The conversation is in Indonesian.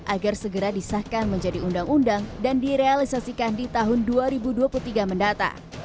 agar segera disahkan menjadi undang undang dan direalisasikan di tahun dua ribu dua puluh tiga mendatang